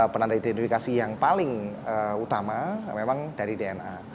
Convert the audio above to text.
penanda identifikasi yang paling utama memang dari dna